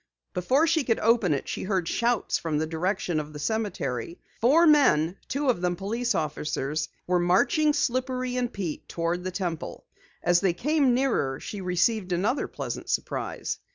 Before she could open it, she heard shouts from the direction of the cemetery. Four men, two of them police officers, were marching Slippery and Pete toward the Temple. As they came nearer she received another pleasant surprise.